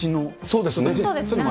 そうですね。